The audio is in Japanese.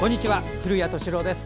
古谷敏郎です。